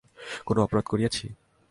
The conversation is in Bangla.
কোনো অপরাধ করিয়াছি?